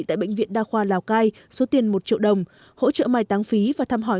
tại bệnh viện đa khoa lào cai số tiền một triệu đồng hỗ trợ mai táng phí và thăm hỏi